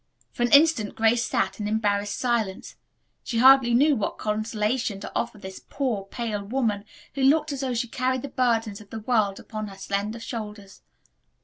For an instant Grace sat in embarrassed silence. She hardly knew what consolation to offer this poor, pale woman who looked as though she carried the burdens of the world upon her slender shoulders.